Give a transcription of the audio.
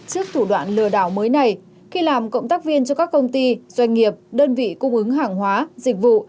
trước thủ đoạn lừa đảo mới này khi làm cộng tác viên cho các công ty doanh nghiệp đơn vị cung ứng hàng hóa dịch vụ